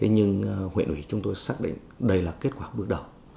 nhưng huyện ủy chúng tôi xác định đây là kết quả bước đầu